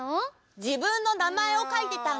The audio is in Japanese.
じぶんのなまえをかいてたんだ。